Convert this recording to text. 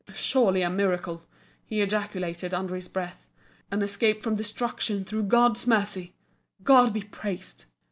"Surely a miracle!" he ejaculated, under his breath "An escape from destruction through God's mercy! God be praised!"